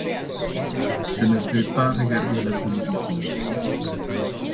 Je ne veux par regarder la télévision.